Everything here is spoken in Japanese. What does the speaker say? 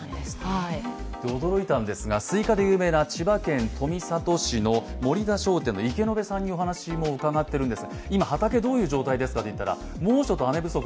驚いたんですが、スイカで有名な千葉県富里市の池延さんにお話を伺っています。